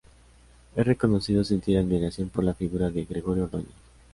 Ha reconocido sentir admiración por la figura de Gregorio Ordóñez.